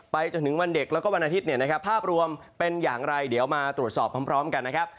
จนถึงวันเด็กแล้วก็วันอาทิตย์เนี่ยนะครับภาพรวมเป็นอย่างไรเดี๋ยวมาตรวจสอบพร้อมกันนะครับ